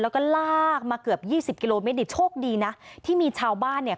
แล้วก็ลากมาเกือบยี่สิบกิโลเมตรนี่โชคดีนะที่มีชาวบ้านเนี่ย